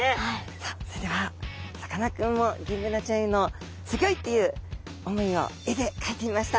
さあそれではさかなクンもギンブナちゃんへのすギョいっていう思いを絵で描いてみました。